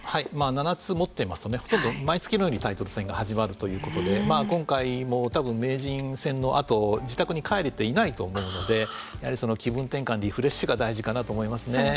７つ持っていますとほとんど毎月のようにタイトル戦が始まるということで今回も多分、名人戦のあと自宅に帰れていないと思うのでやはり気分転換リフレッシュが大事かなと思いますね。